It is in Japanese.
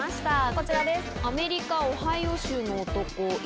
こちらです。